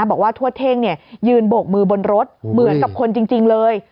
บอกว่าทวดเท่งเนี่ยยืนบกมือบนรถเหมือนกับคนจริงเลย